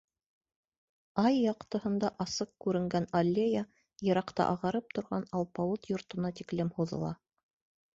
Ай яҡтыһында асыҡ күренгән аллея йыраҡта ағарып торған алпауыт йортона тиклем һуҙыла.